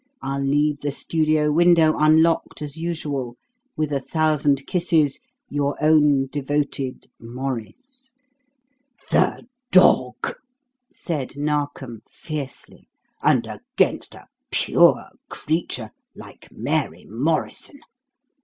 I'll leave the studio window unlocked, as usual. With a thousand kisses. "Your own devoted, "MAURICE." "The dog!" said Narkom fiercely. "And against a pure creature like Mary Morrison!